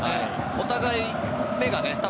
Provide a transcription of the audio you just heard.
お互い、目がね。